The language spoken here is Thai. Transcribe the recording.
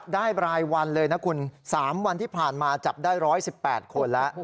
ได้รายวันเลยนะคุณสามวันที่ผ่านมาจับได้ร้อยสิบแปดคนแล้ว